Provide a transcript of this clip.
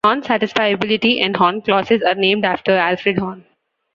Horn-satisfiability and Horn clauses are named after Alfred Horn.